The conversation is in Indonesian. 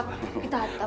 keluar keluar keluar